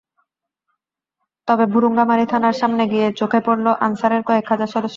তবে ভুরুঙ্গামারী থানার সামনে গিয়ে চোখে পড়ল আনসারের কয়েক হাজার সদস্য।